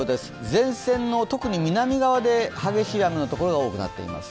前線の特に南側で激しい雨のところが多くなっています。